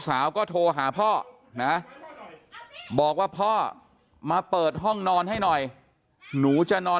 สาวก็โทรหาพ่อนะบอกว่าพ่อมาเปิดห้องนอนให้หน่อยหนูจะนอน